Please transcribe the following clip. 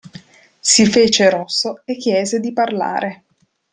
Si fece rosso e chiese di parlare.